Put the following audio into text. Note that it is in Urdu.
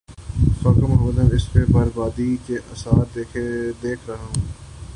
خاکم بدہن، میں اس بر بادی کے آثار دیکھ رہا ہوں۔